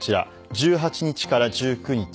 １８日から１９日